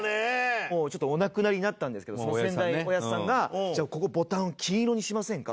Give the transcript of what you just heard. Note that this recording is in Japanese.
もうちょっとお亡くなりになったんですけど先代のおやじさんが「ここのボタンを金色にしませんか？」